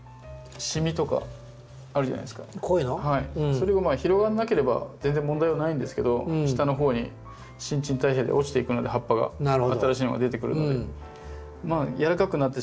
それが広がらなければ全然問題はないんですけど下のほうに新陳代謝で落ちていくので葉っぱが新しいのが出てくるので。